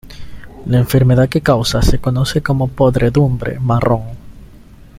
La enfermedad que causa se conoce como podredumbre marrón.